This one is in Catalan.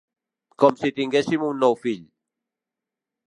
Com si tinguéssim un nou fill.